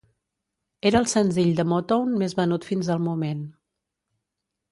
Era el senzill de Motown més venut fins el moment.